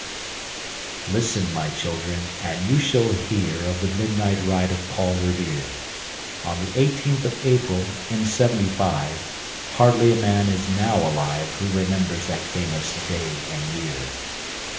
Listen, my children, and you shall hear Of the midnight ride of Paul Revere, On the eighteenth of April, in Seventy five; Hardly a man is now alive Who remembers that famous day and year.